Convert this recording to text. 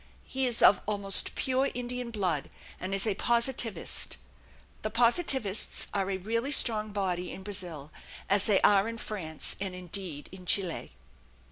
He is of almost pure Indian blood, and is a Positivist the Positivists are a really strong body in Brazil, as they are in France and indeed in Chile.